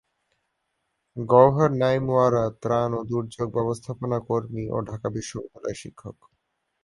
গওহার নঈম ওয়ারা ত্রাণ ও দুর্যোগ ব্যবস্থাপনা কর্মী ও ঢাকা বিশ্ববিদ্যালয়ের শিক্ষক।